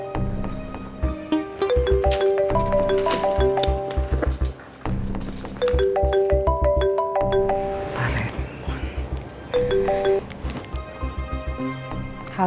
sampai jumpa lagi